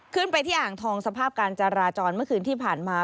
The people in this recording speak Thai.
ขึ้นไปที่อ่างทองสภาพการจราจรเมื่อคืนที่ผ่านมา